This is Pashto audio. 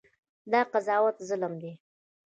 دا قضاوت ظلم دی.